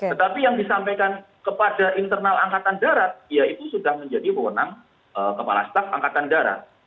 tetapi yang disampaikan kepada internal angkatan darat ya itu sudah menjadi wewenang kepala staf angkatan darat